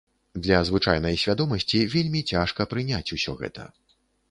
Для звычайнай свядомасці вельмі цяжка прыняць усё гэта.